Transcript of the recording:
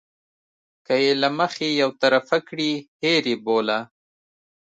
که یې له مخې یو طرفه کړي هېر یې بوله.